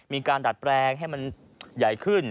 มีการดัดแปลงให้มันใหญ่ขึ้น